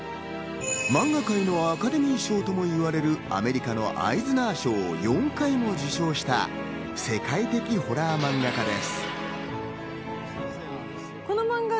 漫画界のアカデミー賞とも呼ばれるアメリカのアイズナー賞を４回も受賞した世界的ホラー漫画家です。